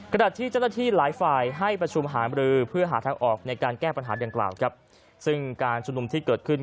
ขณะที่เจ้าหน้าที่หลายฝ่ายให้ประชุมหามรือเพื่อหาทางออกในการแก้ปัญหาดังกล่าวครับซึ่งการชุมนุมที่เกิดขึ้น